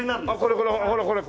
これこれほらこれ。